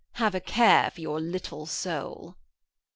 Have a care for your little soul.'